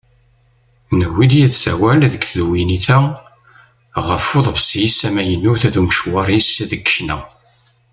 Newwi-d yid-s awal deg tdiwennit-a ɣef uḍebsi-s amaynut d umecwaṛ-is deg ccna.